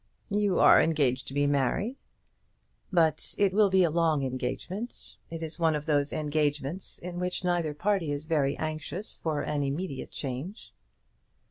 "You are engaged to be married." "But it will be a long engagement. It is one of those engagements in which neither party is very anxious for an immediate change."